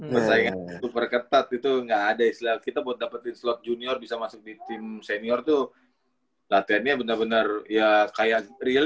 persaingan super ketat itu nggak ada istilah kita buat dapetin slot junior bisa masuk di tim senior tuh latihannya benar benar ya kayak real